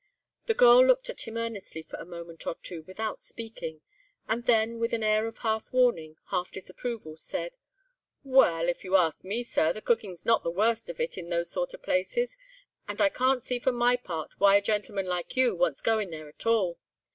The girl looked at him earnestly for a moment or two without speaking, and then with an air of half warning, half disapproval, said, "Well—if you ask me, sir, the cooking's not the worst of it in those sort of places, and I can't see for my part why a gentleman like you wants going there at all.